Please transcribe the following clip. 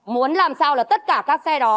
muốn làm sao là tất cả các xe đó